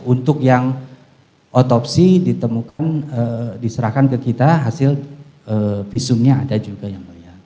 untuk yang otopsi ditemukan diserahkan ke kita hasil visumnya ada juga yang mulia